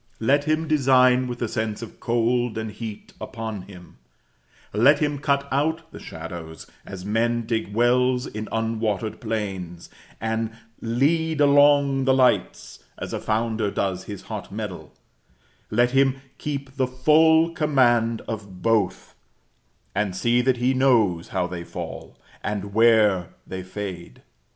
Let him design with the sense of cold and heat upon him; let him cut out the shadows, as men dig wells in unwatered plains; and lead along the lights, as a founder does his hot metal; let him keep the full command of both, and see that he knows how they fall, and where they fade.